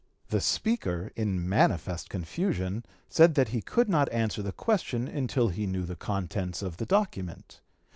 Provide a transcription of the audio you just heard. The Speaker, in manifest confusion, said that he could not answer the question until he knew the contents of the document.